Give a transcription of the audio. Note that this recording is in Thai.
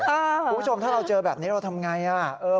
คุณผู้ชมถ้าเราเจอแบบนี้เราทำไง